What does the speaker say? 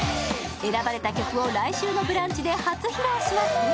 選ばれた曲を来週の「ブランチ」で初披露します。